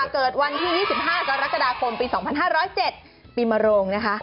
เกิดวันที่๒๕กรกฎาคมปี๒๕๐๗ปีมโรงนะคะ